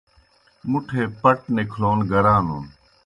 مُٹھے پٹ نِکھلون گرانُن۔